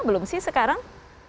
belum sih sekarang